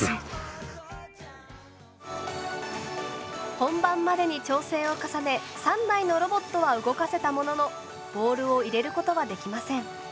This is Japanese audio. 本番までに調整を重ね３台のロボットは動かせたもののボールを入れることはできません。